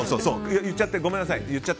言っちゃってごめんなさい。